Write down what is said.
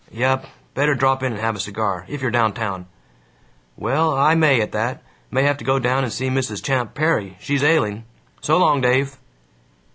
"Yup. Better drop in and have a cigar, if you're downtown. "Well, I may, at that. May have to go down and see Mrs. Champ Perry. She's ailing. So long, Dave."